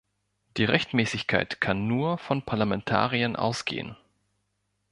Die Rechtmäßigkeit kann nur von Parlamentariern ausgehen.